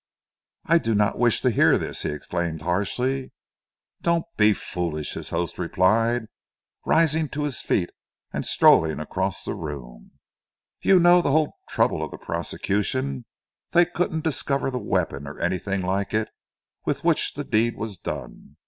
"I do not wish to hear this!" he exclaimed harshly. "Don't be foolish," his host replied, rising to his feet and strolling across the room. "You know the whole trouble of the prosecution. They couldn't discover the weapon, or anything like it, with which the deed was done.